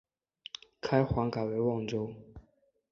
开皇改为万州。